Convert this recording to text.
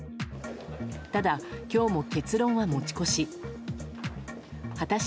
ただ今日も結論は持ち越し。